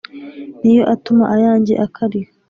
ni yo atuma ayanjye akariha,